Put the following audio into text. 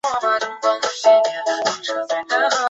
因英国宣战而令自治领参战的有布尔战争和一次大战。